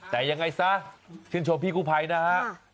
แต่ยังไงซะชื่นชมพี่กู้ภัยนะฮะ